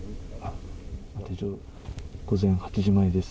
午前８時前です。